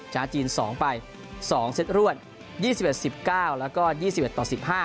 จีน๒ไป๒เซตรวด๒๑๑๙แล้วก็๒๑ต่อ๑๕